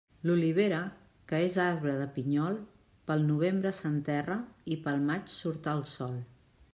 L'olivera, que és arbre de pinyol, pel novembre s'enterra i pel maig surt al sol.